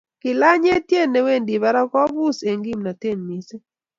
Kilany eitiet newendi barak kobus eng kimnatet missing